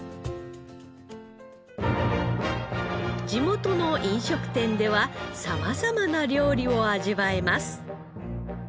地元の飲食店では様々な料理を味わえます。